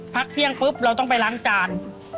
พักเที่ยงปุ๊บเราต้องไปล้างจาน